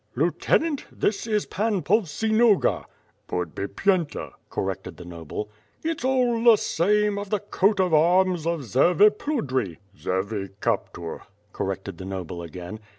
"Lieutenant, this is Pan Povsinoga." "Podbipyenta," corrected the noble. "It^s all the same, of the coat of arms of Zervipludri." "Zervicaptur," corrected the noble again.